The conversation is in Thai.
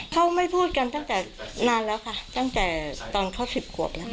เขาไม่พูดกันตั้งแต่นานแล้วค่ะตั้งแต่ตอนเขา๑๐ขวบแล้ว